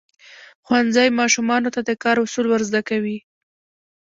ښوونځی ماشومانو ته د کار اصول ورزده کوي.